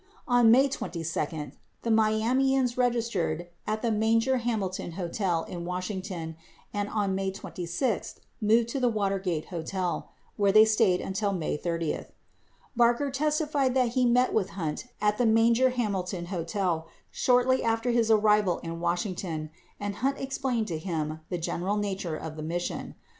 27 On May 22, the Miamians registered at the Manger Hamilton Hotel in Wash ington and, on May 26, moved to the Watergate Hotel, where they stayed until May 30. 28 Barker testified that he met with Hunt at the Manger Hamilton Hotel shortly after his arrival in Washington and Hunt explained to him the general nature of the mission.